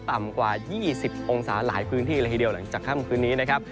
ต่ำกว่า๒๐องศาหลายพื้นที่เลยทีเดียวหลังจากค่ำคืนนี้นะครับ